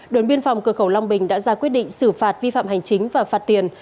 đồn biên phòng cửa khẩu long bình đã ra quyết định xử phạt vi phạm hành chính và phạt tiền